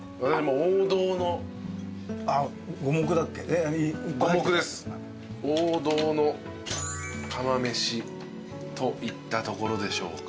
王道の釜めしといったところでしょうか。